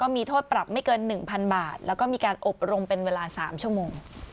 มีโทษปรับไม่เกิน๑๐๐๐บาทแล้วก็มีการอบรมเป็นเวลา๓ชั่วโมง